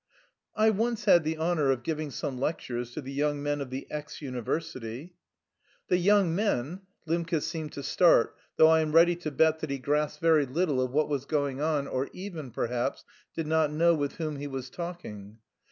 "I once had the honour of giving some lectures to the young men of the X university." "The young men!" Lembke seemed to start, though I am ready to bet that he grasped very little of what was going on or even, perhaps, did not know with whom he was talking.